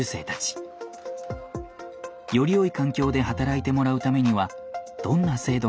よりよい環境で働いてもらうためにはどんな制度が必要なのでしょうか。